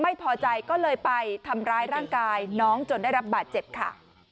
ไม่พอใจก็เลยไปทำร้ายร่างกายน้องจนได้รับบาดเจ็บค่ะ